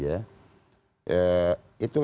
itu secara kuantitas juga